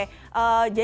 melekat pada kendaraan